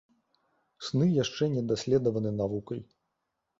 Сны яшчэ не даследаваны навукай.